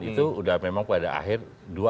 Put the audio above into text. itu sudah memang pada akhirnya